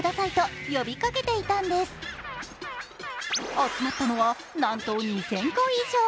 集まったのはなんと２０００個以上。